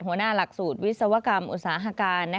หัวหน้าหลักสูตรวิศวกรรมอุตสาหการ